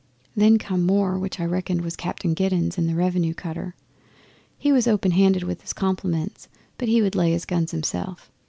Then come more, which I reckoned was Captain Giddens in the Revenue cutter. He was open handed with his compliments, but he would lay his guns himself.